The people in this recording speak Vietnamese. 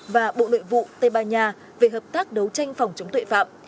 và bộ nội vụ tây ban nha về hợp tác đấu tranh phòng chống tội phạm